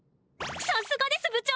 さすがです部長！